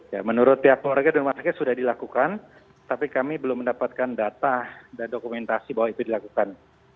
ya menurut pihak keluarga di rumah sakit sudah dilakukan tapi kami belum mendapatkan data dan dokumentasi bahwa itu dilakukan